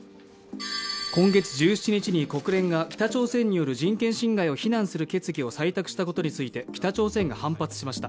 今月１７日に国連が北朝鮮による人権侵害を非難する決議を採択したことについて北朝鮮が反発しました。